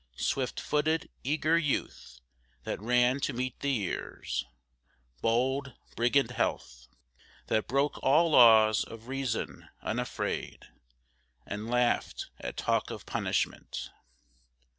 Swift footed, eager youth That ran to meet the years; bold brigand health, That broke all laws of reason unafraid, And laughed at talk of punishment.